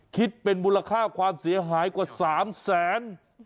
คิดเป็นมูลค่าความเสียหายกว่า๓แสน